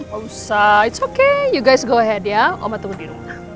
gak usah it's okay you guys go ahead ya oma tunggu di rumah